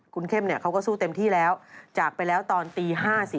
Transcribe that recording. คุณเข้มเขาก็สู้เต็มที่แล้วจากไปแล้วตอนตี๕๔